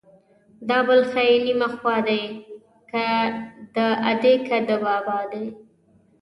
د بل ښې نيمه خوا دي ، که د ادې که د بابا دي.